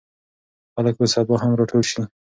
خلک به سبا هم راټول شي.